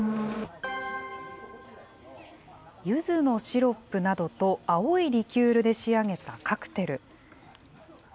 ゆずのシロップなどと青いリキュールで仕上げたカクテル。